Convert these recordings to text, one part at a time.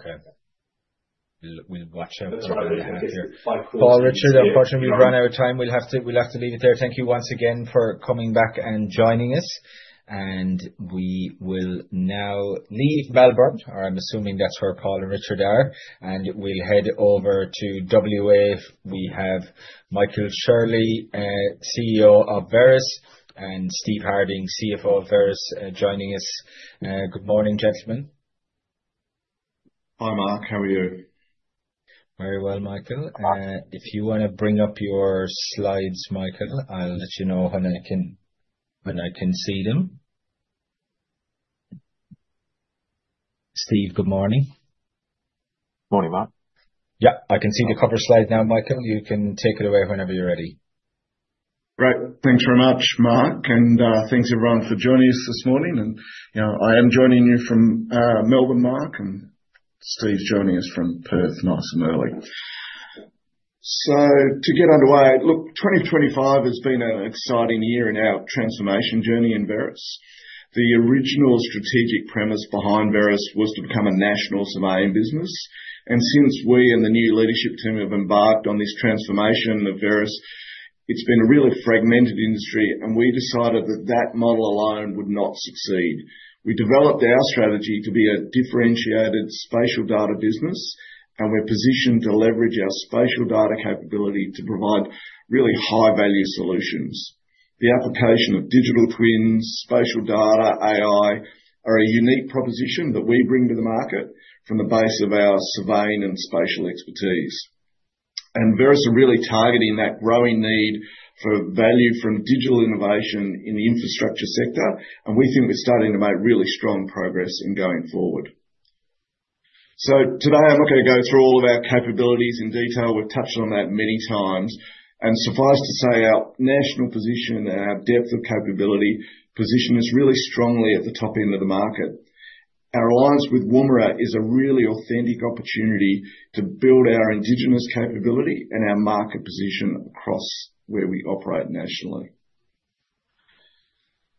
Okay. We'll watch out for what we have here. Paul, Richard, unfortunately, we've run out of time. We'll have to leave it there. Thank you once again for coming back and joining us. And we will now leave Melbourne, or I'm assuming that's where Paul and Richard are, and we'll head over to WA. We have Michael Shirley, CEO of Veris, and Steve Harding, CFO of Veris, joining us. Good morning, gentlemen. Hi, Mark. How are you? Very well, Michael. If you want to bring up your slides, Michael, I'll let you know when I can see them. Steve, good morning. Morning, Mark. Yeah, I can see the cover slide now, Michael. You can take it away whenever you're ready. Great. Thanks very much, Mark. And thanks, everyone, for joining us this morning. And I am joining you from Melbourne, Mark, and Steve's joining us from Perth, nice and early. So to get underway, look, 2025 has been an exciting year in our transformation journey in Veris. The original strategic premise behind Veris was to become a national surveying business. And since we and the new leadership team have embarked on this transformation of Veris, it's been a really fragmented industry, and we decided that that model alone would not succeed. We developed our strategy to be a differentiated spatial data business, and we're positioned to leverage our spatial data capability to provide really high-value solutions. The application of digital twins, spatial data, AI, are a unique proposition that we bring to the market from the base of our surveying and spatial expertise. Veris are really targeting that growing need for value from digital innovation in the infrastructure sector, and we think we're starting to make really strong progress in going forward. Today, I'm not going to go through all of our capabilities in detail. We've touched on that many times. Suffice to say, our national position and our depth of capability position us really strongly at the top end of the market. Our alliance with Wumara is a really authentic opportunity to build our indigenous capability and our market position across where we operate nationally.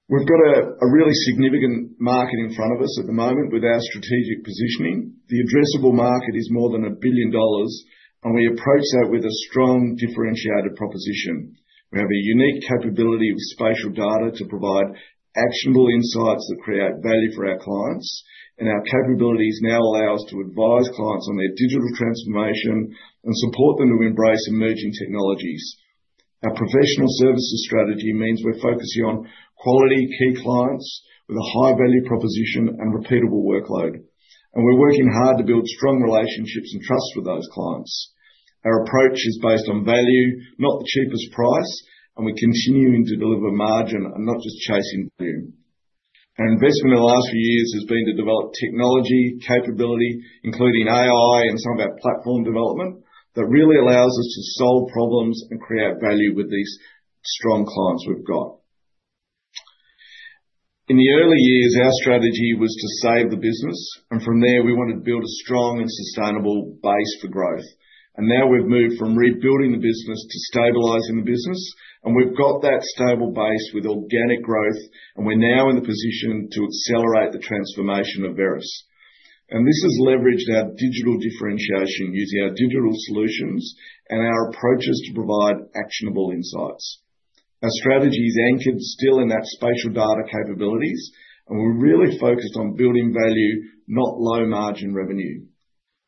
We've got a really significant market in front of us at the moment with our strategic positioning. The addressable market is more than 1 billion dollars, and we approach that with a strong differentiated proposition. We have a unique capability with spatial data to provide actionable insights that create value for our clients. And our capabilities now allow us to advise clients on their digital transformation and support them to embrace emerging technologies. Our professional services strategy means we're focusing on quality key clients with a high-value proposition and repeatable workload. And we're working hard to build strong relationships and trust with those clients. Our approach is based on value, not the cheapest price, and we continue to deliver margin and not just chasing value. Our investment in the last few years has been to develop technology, capability, including AI and some of our platform development that really allows us to solve problems and create value with these strong clients we've got. In the early years, our strategy was to save the business, and from there, we wanted to build a strong and sustainable base for growth. And now we've moved from rebuilding the business to stabilizing the business, and we've got that stable base with organic growth, and we're now in the position to accelerate the transformation of Veris. And this has leveraged our digital differentiation using our digital solutions and our approaches to provide actionable insights. Our strategy is anchored still in that spatial data capabilities, and we're really focused on building value, not low-margin revenue.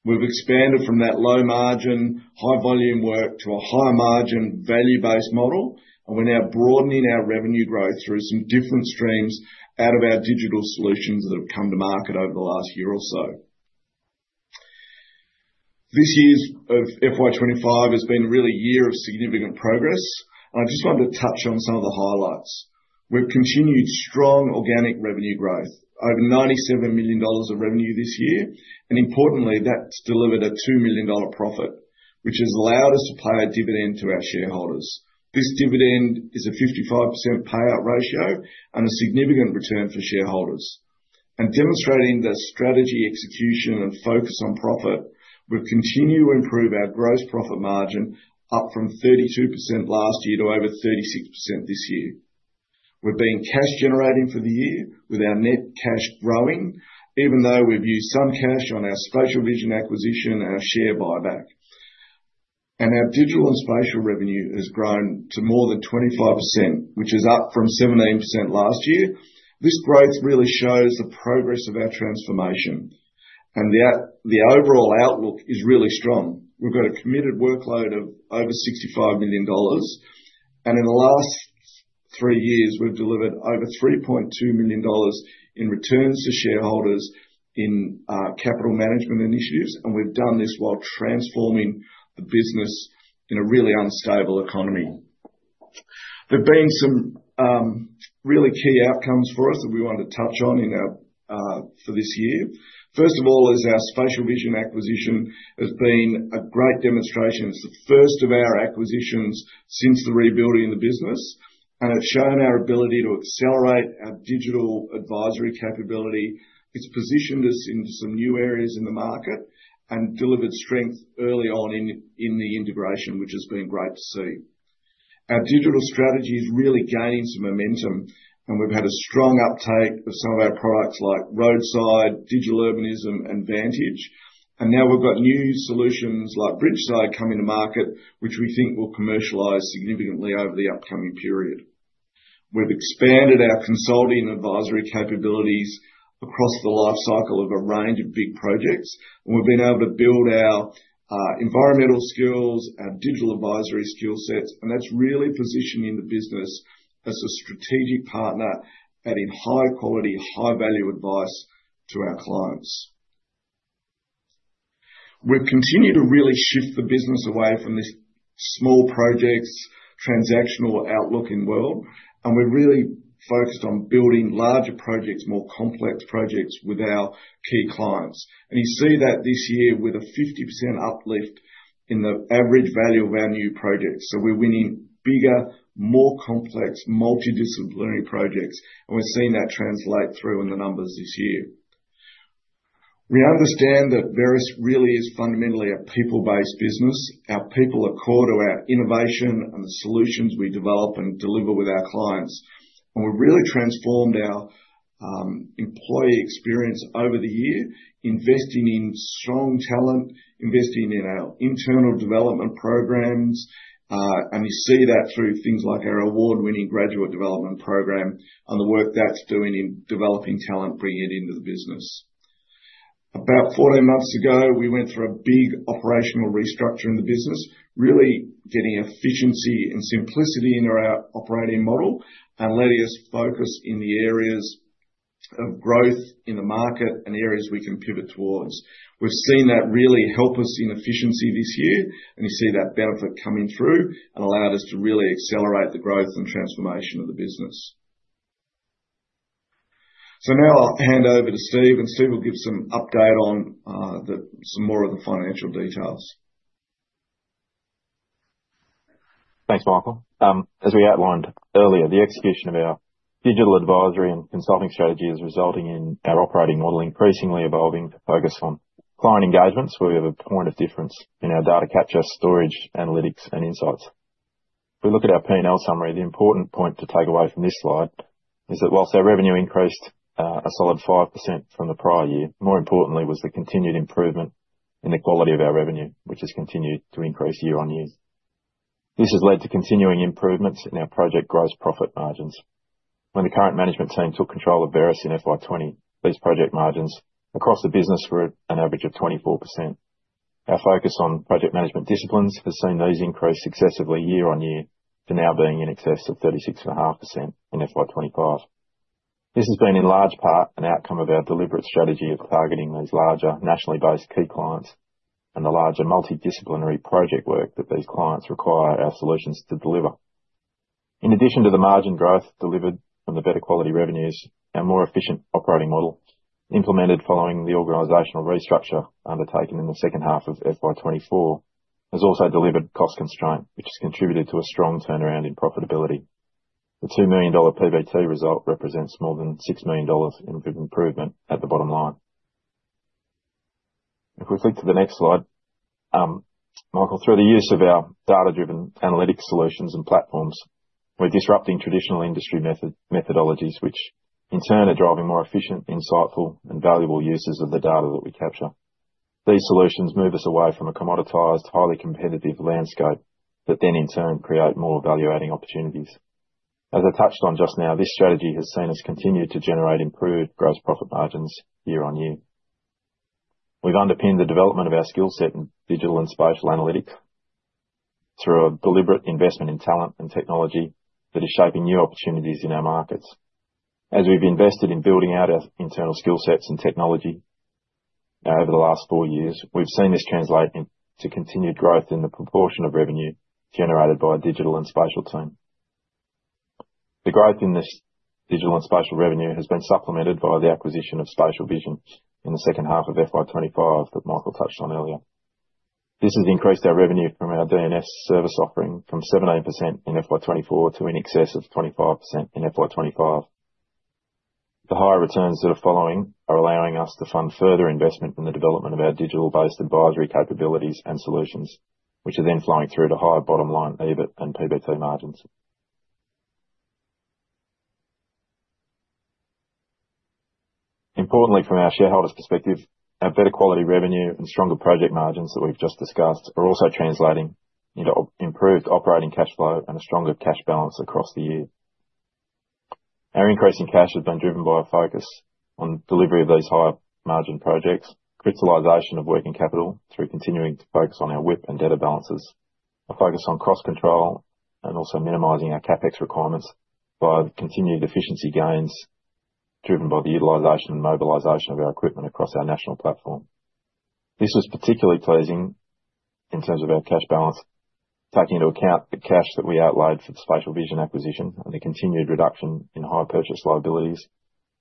We've expanded from that low-margin, high-volume work to a high-margin, value-based model, and we're now broadening our revenue growth through some different streams out of our digital solutions that have come to market over the last year or so. This year's FY25 has been really a year of significant progress, and I just wanted to touch on some of the highlights. We've continued strong organic revenue growth, over 97 million dollars of revenue this year, and importantly, that's delivered a 2 million dollar profit, which has allowed us to pay a dividend to our shareholders. This dividend is a 55% payout ratio and a significant return for shareholders, and demonstrating the strategy execution and focus on profit, we'll continue to improve our gross profit margin up from 32% last year to over 36% this year. We've been cash-generating for the year with our net cash growing, even though we've used some cash on our Spatial Vision acquisition and our share buyback, and our digital and spatial revenue has grown to more than 25%, which is up from 17% last year. This growth really shows the progress of our transformation, and the overall outlook is really strong. We've got a committed workload of over 65 million dollars, and in the last three years, we've delivered over 3.2 million dollars in returns to shareholders in capital management initiatives, and we've done this while transforming the business in a really unstable economy. There have been some really key outcomes for us that we wanted to touch on for this year. First of all, is our Spatial Vision acquisition has been a great demonstration. It's the first of our acquisitions since the rebuilding of the business, and it's shown our ability to accelerate our Digital Advisory capability. It's positioned us into some new areas in the market and delivered strength early on in the integration, which has been great to see. Our digital strategy is really gaining some momentum, and we've had a strong uptake of some of our products like RoadSiDe, Digital Urbanism, and Vantage. Now we've got new solutions like BridgeSiDe coming to market, which we think will commercialize significantly over the upcoming period. We've expanded our consulting and advisory capabilities across the lifecycle of a range of big projects, and we've been able to build our environmental skills, our digital advisory skill sets, and that's really positioning the business as a strategic partner adding high-quality, high-value advice to our clients. We've continued to really shift the business away from these small projects, transactional outlook in world, and we're really focused on building larger projects, more complex projects with our key clients. You see that this year with a 50% uplift in the average value of our new projects. We're winning bigger, more complex, multidisciplinary projects, and we're seeing that translate through in the numbers this year. We understand that Veris really is fundamentally a people-based business. Our people are core to our innovation and the solutions we develop and deliver with our clients. And we've really transformed our employee experience over the year, investing in strong talent, investing in our internal development programs, and you see that through things like our award-winning graduate development program and the work that's doing in developing talent, bringing it into the business. About 14 months ago, we went through a big operational restructure in the business, really getting efficiency and simplicity into our operating model and letting us focus in the areas of growth in the market and areas we can pivot towards. We've seen that really help us in efficiency this year, and you see that benefit coming through and allowed us to really accelerate the growth and transformation of the business. So now I'll hand over to Steve, and Steve will give some update on some more of the financial details. Thanks, Michael. As we outlined earlier, the execution of our digital advisory and consulting strategy is resulting in our operating model increasingly evolving to focus on client engagements, where we have a point of difference in our data capture, storage, analytics, and insights. If we look at our P&L summary, the important point to take away from this slide is that while our revenue increased a solid 5% from the prior year, more importantly was the continued improvement in the quality of our revenue, which has continued to increase year on year. This has led to continuing improvements in our project gross profit margins. When the current management team took control of Veris in FY 2020, these project margins across the business were an average of 24%. Our focus on project management disciplines has seen those increase successively year on year to now being in excess of 36.5% in FY 2025. This has been in large part an outcome of our deliberate strategy of targeting these larger nationally based key clients and the larger multidisciplinary project work that these clients require our solutions to deliver. In addition to the margin growth delivered from the better quality revenues, our more efficient operating model implemented following the organizational restructure undertaken in the second half of FY24 has also delivered cost constraint, which has contributed to a strong turnaround in profitability. The 2 million dollar PBT result represents more than 6 million dollars in improvement at the bottom line. If we flick to the next slide, Michael, through the use of our data-driven analytic solutions and platforms, we're disrupting traditional industry methodologies, which in turn are driving more efficient, insightful, and valuable uses of the data that we capture. These solutions move us away from a commoditized, highly competitive landscape that then in turn create more value-adding opportunities. As I touched on just now, this strategy has seen us continue to generate improved gross profit margins year on year. We've underpinned the development of our skill set in digital and spatial analytics through a deliberate investment in talent and technology that is shaping new opportunities in our markets. As we've invested in building out our internal skill sets and technology over the last four years, we've seen this translate into continued growth in the proportion of revenue generated by a digital and spatial team. The growth in this digital and spatial revenue has been supplemented by the acquisition of Spatial Vision in the second half of FY25 that Michael touched on earlier. This has increased our revenue from our DNS service offering from 17% in FY24 to in excess of 25% in FY25. The higher returns that are following are allowing us to fund further investment in the development of our digital-based advisory capabilities and solutions, which are then flowing through to higher bottom line EBIT and PBT margins. Importantly, from our shareholders' perspective, our better quality revenue and stronger project margins that we've just discussed are also translating into improved operating cash flow and a stronger cash balance across the year. Our increase in cash has been driven by a focus on delivery of these higher margin projects, crystallization of working capital through continuing to focus on our WIP and debtor balances, a focus on cross-control, and also minimizing our CapEx requirements via the continued efficiency gains driven by the utilization and mobilization of our equipment across our national platform. This was particularly pleasing in terms of our cash balance, taking into account the cash that we outlaid for the Spatial Vision acquisition and the continued reduction in hire purchase liabilities,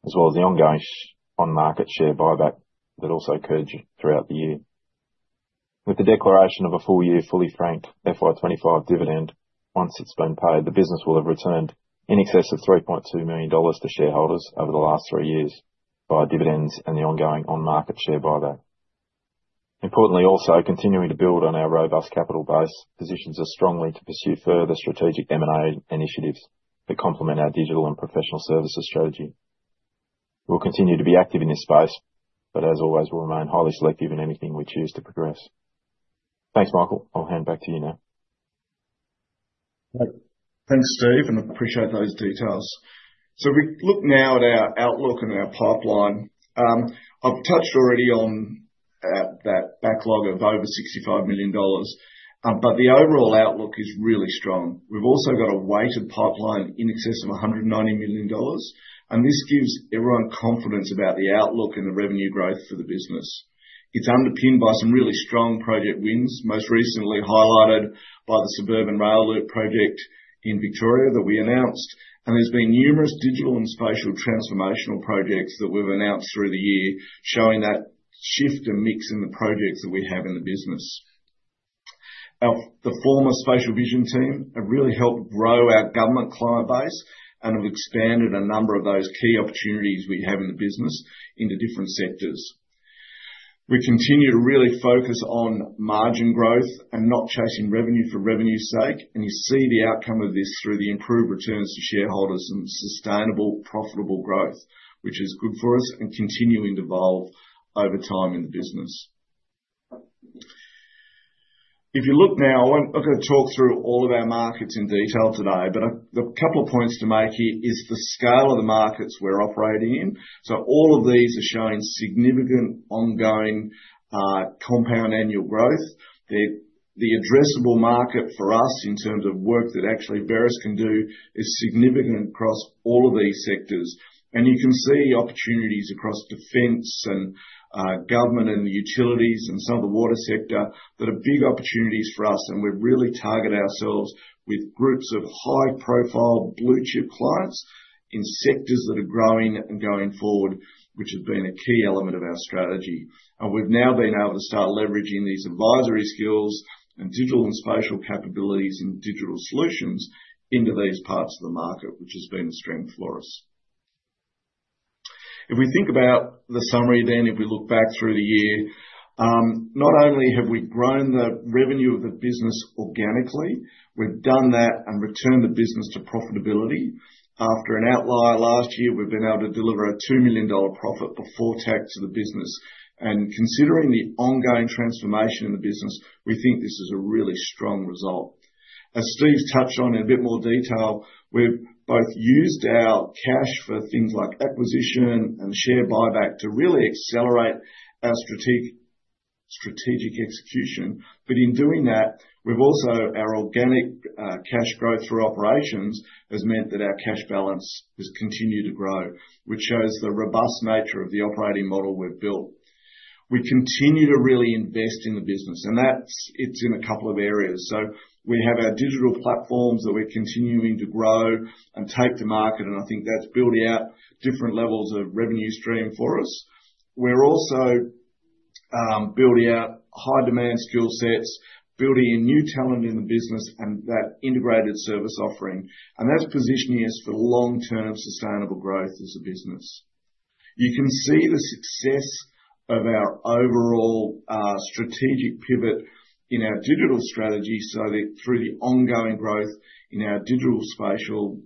as well as the ongoing on-market share buyback that also occurred throughout the year. With the declaration of a full-year fully franked FY25 dividend, once it's been paid, the business will have returned in excess of 3.2 million dollars to shareholders over the last three years via dividends and the ongoing on-market share buyback. Importantly, also continuing to build on our robust capital base positions us strongly to pursue further strategic M&A initiatives that complement our digital and professional services strategy. We'll continue to be active in this space, but as always, we'll remain highly selective in anything we choose to progress. Thanks, Michael. I'll hand back to you now. Thanks, Steve, and appreciate those details. So if we look now at our outlook and our pipeline, I've touched already on that backlog of over 65 million dollars, but the overall outlook is really strong. We've also got a weighted pipeline in excess of 190 million dollars, and this gives everyone confidence about the outlook and the revenue growth for the business. It's underpinned by some really strong project wins, most recently highlighted by the Suburban Rail Loop project in Victoria that we announced, and there's been numerous digital and spatial transformational projects that we've announced through the year, showing that shift and mix in the projects that we have in the business. The former Spatial Vision team have really helped grow our government client base and have expanded a number of those key opportunities we have in the business into different sectors. We continue to really focus on margin growth and not chasing revenue for revenue's sake, and you see the outcome of this through the improved returns to shareholders and sustainable, profitable growth, which is good for us and continuing to evolve over time in the business. If you look now, I won't walk through all of our markets in detail today, but a couple of points to make here is the scale of the markets we're operating in. So all of these are showing significant ongoing compound annual growth. The addressable market for us in terms of work that actually Veris can do is significant across all of these sectors. You can see opportunities across defense and government and utilities and some of the water sector that are big opportunities for us, and we've really targeted ourselves with groups of high-profile blue-chip clients in sectors that are growing and going forward, which has been a key element of our strategy. We've now been able to start leveraging these advisory skills and digital and spatial capabilities in digital solutions into these parts of the market, which has been a strength for us. If we think about the summary then, if we look back through the year, not only have we grown the revenue of the business organically, we've done that and returned the business to profitability. After an outlier last year, we've been able to deliver 2 million dollar profit before tax to the business. Considering the ongoing transformation in the business, we think this is a really strong result. As Steve's touched on in a bit more detail, we've both used our cash for things like acquisition and share buyback to really accelerate our strategic execution. In doing that, we've also had our organic cash growth through operations has meant that our cash balance has continued to grow, which shows the robust nature of the operating model we've built. We continue to really invest in the business, and it's in a couple of areas. We have our digital platforms that we're continuing to grow and take to market, and I think that's built out different levels of revenue stream for us. We're also building out high-demand skill sets, building new talent in the business, and that integrated service offering, and that's positioning us for long-term sustainable growth as a business. You can see the success of our overall strategic pivot in our digital strategy so that through the ongoing growth in our digital spatial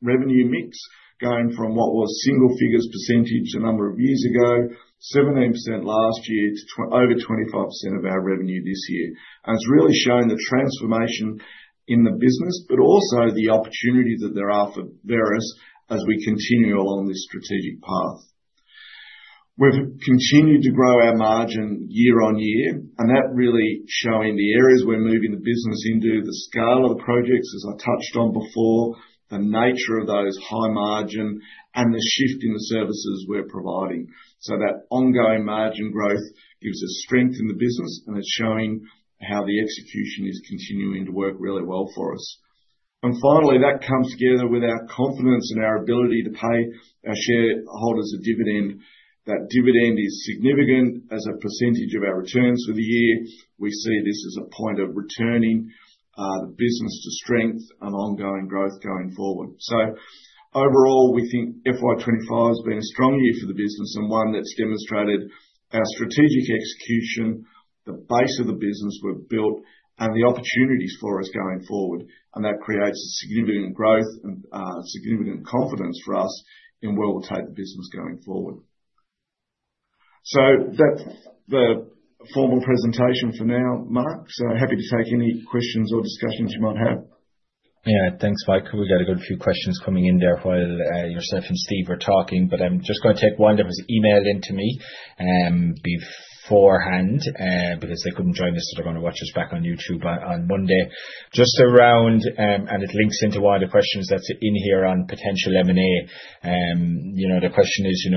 revenue mix, going from what was single figures percentage a number of years ago, 17% last year to over 25% of our revenue this year. It's really shown the transformation in the business, but also the opportunity that there are for Veris as we continue along this strategic path. We've continued to grow our margin year on year, and that really showing the areas we're moving the business into, the scale of the projects, as I touched on before, the nature of those high margin, and the shift in the services we're providing. That ongoing margin growth gives us strength in the business, and it's showing how the execution is continuing to work really well for us. And finally, that comes together with our confidence and our ability to pay our shareholders a dividend. That dividend is significant as a percentage of our returns for the year. We see this as a point of returning the business to strength and ongoing growth going forward. So overall, we think FY25 has been a strong year for the business and one that's demonstrated our strategic execution, the base of the business we've built, and the opportunities for us going forward. And that creates significant growth and significant confidence for us in where we'll take the business going forward. So that's the formal presentation for now, Mark. So happy to take any questions or discussions you might have. Yeah, thanks, Michael. We got a good few questions coming in there while yourself and Steve are talking, but I'm just going to take one that was emailed into me beforehand because they couldn't join us. They're going to watch us back on YouTube on Monday. Just around, and it links into one of the questions that's in here on potential M&A. The question is,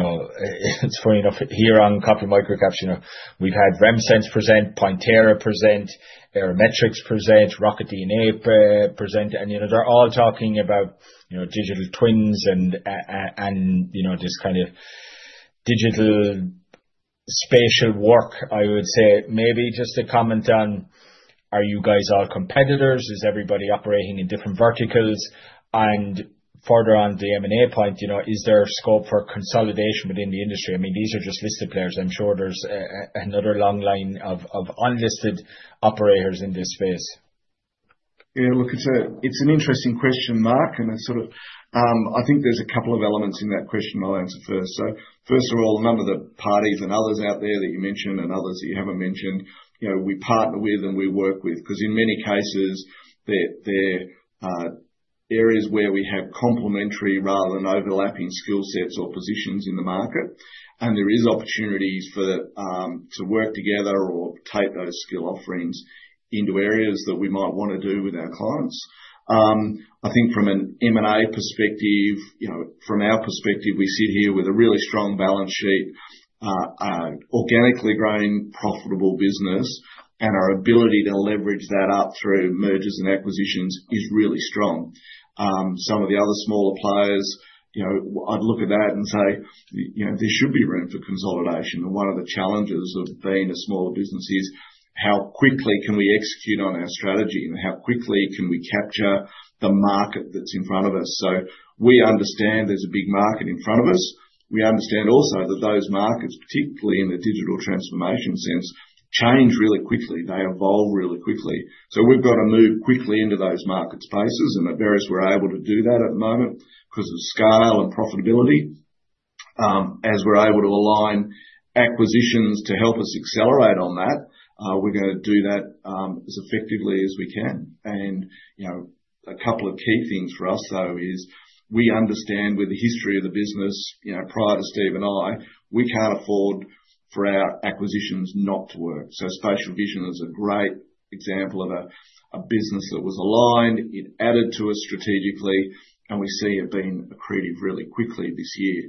it's funny enough here on Coffee Microcaps, we've had RemSense present, Pointerra present, Aerometrex present, Rocket DNA present, and they're all talking about digital twins and this kind of digital spatial work, I would say. Maybe just a comment on, are you guys all competitors? Is everybody operating in different verticals? And further on the M&A point, is there scope for consolidation within the industry? I mean, these are just listed players. I'm sure there's another long line of unlisted operators in this space. Yeah, look, it's an interesting question, Mark, and I sort of think there's a couple of elements in that question I'll answer first. So first of all, a number of the parties and others out there that you mentioned and others that you haven't mentioned, we partner with and we work with because in many cases, there are areas where we have complementary rather than overlapping skill sets or positions in the market, and there are opportunities to work together or take those skill offerings into areas that we might want to do with our clients. I think from an M&A perspective, from our perspective, we sit here with a really strong balance sheet, organically growing profitable business, and our ability to leverage that up through mergers and acquisitions is really strong. Some of the other smaller players, I'd look at that and say there should be room for consolidation. One of the challenges of being a smaller business is how quickly can we execute on our strategy and how quickly can we capture the market that's in front of us. We understand there's a big market in front of us. We understand also that those markets, particularly in the digital transformation sense, change really quickly. They evolve really quickly. We've got to move quickly into those market spaces, and at Veris, we're able to do that at the moment because of scale and profitability. As we're able to align acquisitions to help us accelerate on that, we're going to do that as effectively as we can. A couple of key things for us, though, is we understand with the history of the business, prior to Steve and I, we can't afford for our acquisitions not to work. Spatial Vision is a great example of a business that was aligned. It added to us strategically, and we see it being accretive really quickly this year.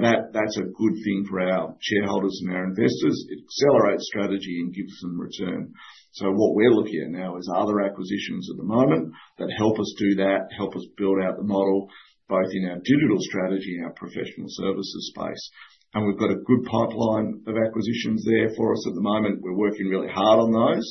That's a good thing for our shareholders and our investors. It accelerates strategy and gives them return. What we're looking at now is other acquisitions at the moment that help us do that, help us build out the model, both in our digital strategy and our professional services space. We've got a good pipeline of acquisitions there for us at the moment. We're working really hard on those,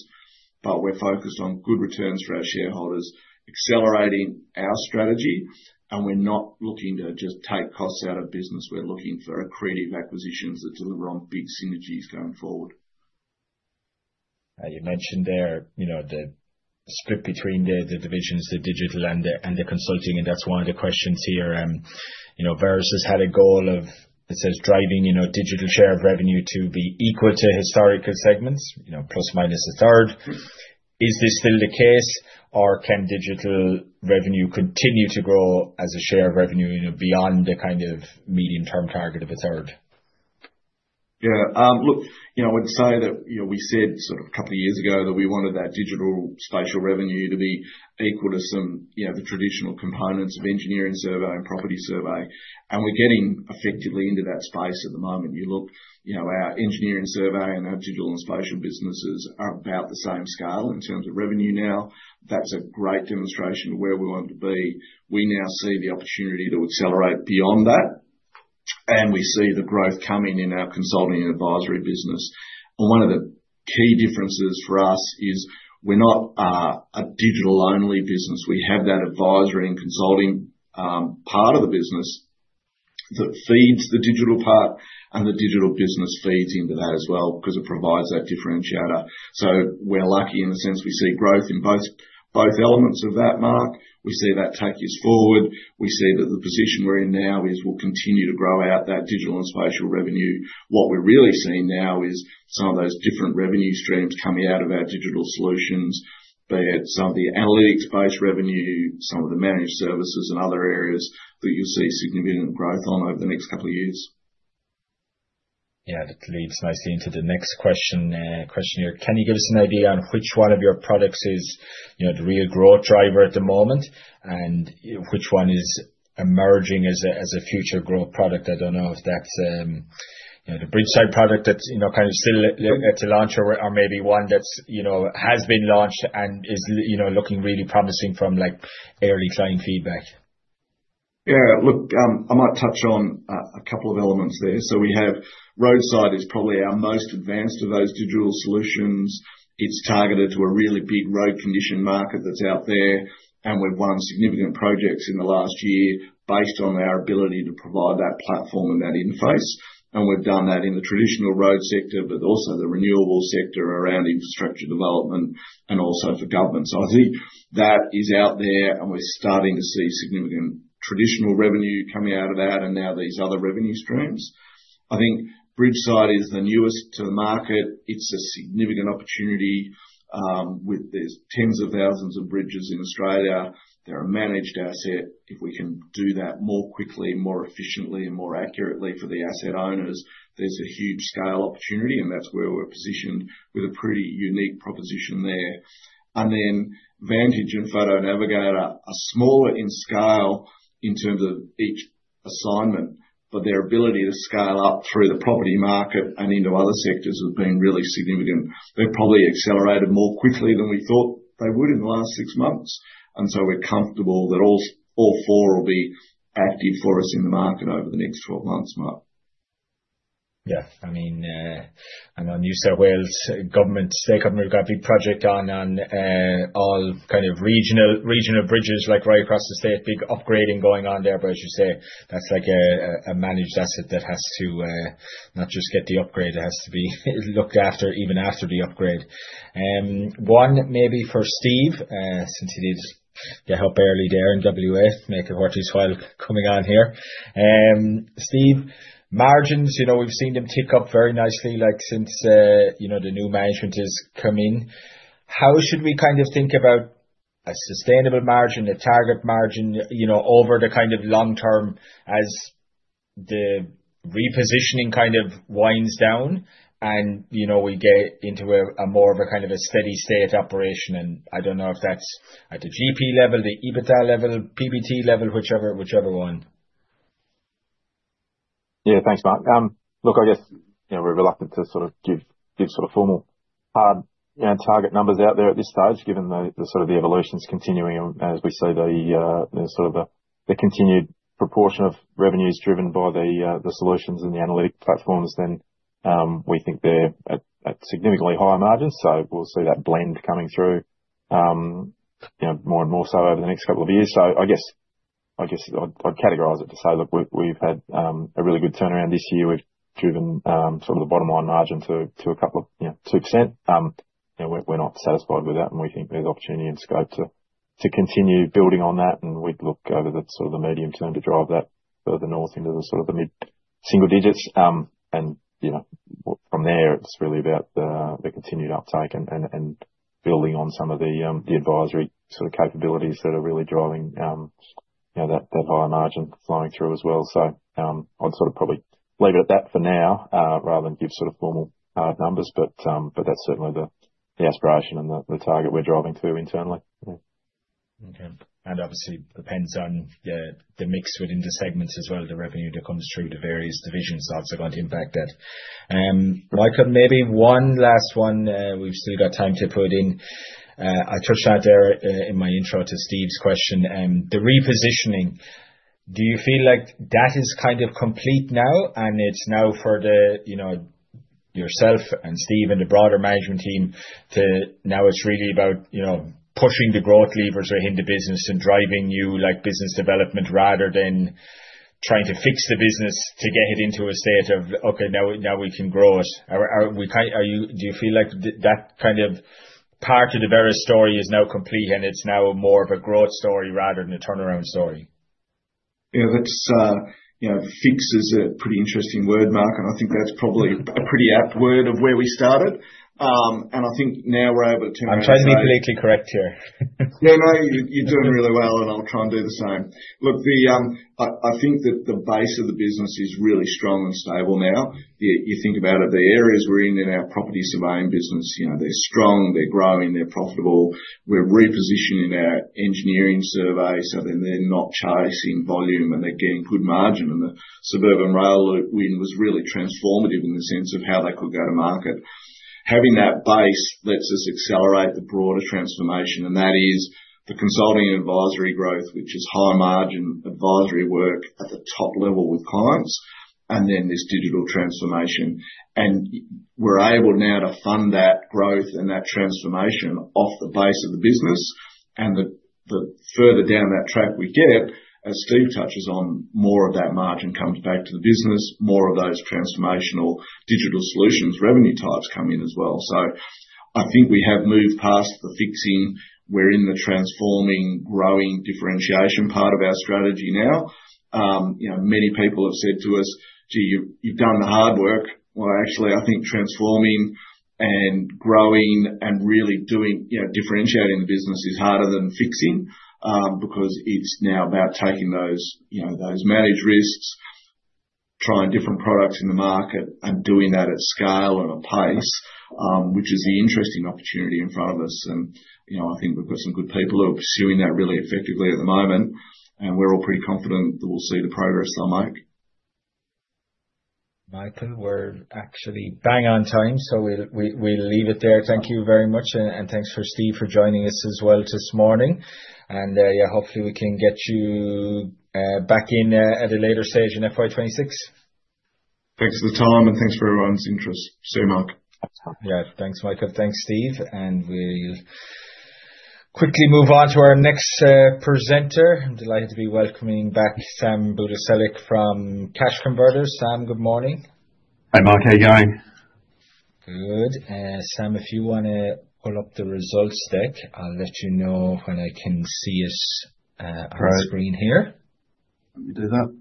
but we're focused on good returns for our shareholders, accelerating our strategy, and we're not looking to just take costs out of business. We're looking for accretive acquisitions that deliver on big synergies going forward. You mentioned there the split between the divisions, the digital and the consulting, and that's one of the questions here. Veris has had a goal of, it says, driving digital share of revenue to be equal to historical segments, plus minus a third. Is this still the case, or can digital revenue continue to grow as a share of revenue beyond the kind of medium-term target of a third? Yeah. Look, I would say that we said sort of a couple of years ago that we wanted that digital spatial revenue to be equal to some of the traditional components of engineering survey and property survey, and we're getting effectively into that space at the moment. You look, our engineering survey and our digital and spatial businesses are about the same scale in terms of revenue now. That's a great demonstration of where we want to be. We now see the opportunity to accelerate beyond that, and we see the growth coming in our consulting and advisory business, and one of the key differences for us is we're not a digital-only business. We have that advisory and consulting part of the business that feeds the digital part, and the digital business feeds into that as well because it provides that differentiator. So we're lucky in the sense we see growth in both elements of that, Mark. We see that take us forward. We see that the position we're in now is we'll continue to grow out that digital and spatial revenue. What we're really seeing now is some of those different revenue streams coming out of our digital solutions, be it some of the analytics-based revenue, some of the managed services, and other areas that you'll see significant growth on over the next couple of years. Yeah, that leads nicely into the next question here. Can you give us an idea on which one of your products is the real growth driver at the moment and which one is emerging as a future growth product? I don't know if that's the BridgeSight product that's kind of still at the launch or maybe one that has been launched and is looking really promising from early client feedback. Yeah. Look, I might touch on a couple of elements there. So we have RoadSiTE is probably our most advanced of those digital solutions. It's targeted to a really big road condition market that's out there, and we've won significant projects in the last year based on our ability to provide that platform and that interface. And we've done that in the traditional road sector, but also the renewable sector around infrastructure development and also for government. So I think that is out there, and we're starting to see significant traditional revenue coming out of that and now these other revenue streams. I think BridgeSight is the newest to the market. It's a significant opportunity. There's tens of thousands of bridges in Australia. They're a managed asset. If we can do that more quickly, more efficiently, and more accurately for the asset owners, there's a huge scale opportunity, and that's where we're positioned with a pretty unique proposition there. And then Vantage and Photo Navigator are smaller in scale in terms of each assignment, but their ability to scale up through the property market and into other sectors has been really significant. They've probably accelerated more quickly than we thought they would in the last six months. And so we're comfortable that all four will be active for us in the market over the next 12 months, Mark. Yeah. I mean, I know New South Wales government, State government, we've got a big project on all kind of regional bridges right across the state, big upgrading going on there. But as you say, that's like a managed asset that has to not just get the upgrade, it has to be looked after even after the upgrade. One maybe for Steve, since he did help early there in WA, back in the early days while coming on here. Steve, margins, we've seen them tick up very nicely since the new management has come in. How should we kind of think about a sustainable margin, a target margin over the kind of long term as the repositioning kind of winds down and we get into a more of a kind of a steady state operation? I don't know if that's at the GP level, the EBITDA level, PBT level, whichever one. Yeah, thanks, Mark. Look, I guess we're reluctant to sort of give sort of formal hard target numbers out there at this stage given the sort of evolutions continuing as we see the sort of continued proportion of revenues driven by the solutions and the analytic platforms. Then we think they're at significantly higher margins. So we'll see that blend coming through more and more so over the next couple of years. So I guess I'd categorize it to say, look, we've had a really good turnaround this year. We've driven sort of the bottom line margin to a couple of 2%. We're not satisfied with that, and we think there's opportunity and scope to continue building on that. And we'd look over the sort of the medium term to drive that further north into the sort of the mid single digits. And from there, it's really about the continued uptake and building on some of the advisory sort of capabilities that are really driving that higher margin flowing through as well. So I'd sort of probably leave it at that for now rather than give sort of formal numbers, but that's certainly the aspiration and the target we're driving through internally. Okay. And obviously, it depends on the mix within the segments as well, the revenue that comes through the various divisions also going to impact that. Michael, maybe one last one. We've still got time to put in. I touched on there in my intro to Steve's question, the repositioning. Do you feel like that is kind of complete now, and it's now for yourself and Steve and the broader management team to now it's really about pushing the growth levers within the business and driving new business development rather than trying to fix the business to get it into a state of, okay, now we can grow it? Do you feel like that kind of part of the Veris story is now complete and it's now more of a growth story rather than a turnaround story? Yeah, that fix is a pretty interesting word, Mark, and I think that's probably a pretty apt word for where we started, and I think now we're able to. I'm trying to be politically correct here. Yeah, no, you're doing really well, and I'll try and do the same. Look, I think that the base of the business is really strong and stable now. You think about it, the areas we're in in our property surveying business, they're strong, they're growing, they're profitable. We're repositioning our engineering survey so then they're not chasing volume and they're getting good margin. And the suburban railway win was really transformative in the sense of how they could go to market. Having that base lets us accelerate the broader transformation, and that is the consulting and advisory growth, which is high margin advisory work at the top level with clients, and then this digital transformation. And we're able now to fund that growth and that transformation off the base of the business. And the further down that track we get, as Steve touches on, more of that margin comes back to the business. More of those transformational digital solutions revenue types come in as well. I think we have moved past the fixing. We're in the transforming, growing, differentiation part of our strategy now. Many people have said to us, "Gee, you've done the hard work." Actually, I think transforming and growing and really differentiating the business is harder than fixing because it's now about taking those managed risks, trying different products in the market, and doing that at scale and a pace, which is the interesting opportunity in front of us. I think we've got some good people who are pursuing that really effectively at the moment, and we're all pretty confident that we'll see the progress they'll make. Michael, we're actually bang on time, so we'll leave it there. Thank you very much, and thanks for Steve for joining us as well this morning. And yeah, hopefully, we can get you back in at a later stage in FY26. Thanks for the time, and thanks for everyone's interest. See you, Mark. Yeah, thanks, Michael. Thanks, Steve, and we'll quickly move on to our next presenter. I'm delighted to be welcoming back Sam Budiselik from Cash Converters. Sam, good morning. Hi, Mark. How are you going? Good. Sam, if you want to pull up the results deck, I'll let you know when I can see us on screen here. Let me do that.